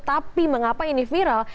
tapi mengapa ini viral